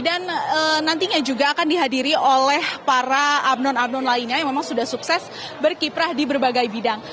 dan nantinya juga akan dihadiri oleh para abnon abnon lainnya yang memang sudah sukses berkiprah di berbagai bidang